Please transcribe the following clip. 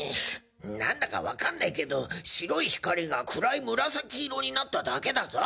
何だかわかんねえけど白い光が暗い紫色になっただけだぞ？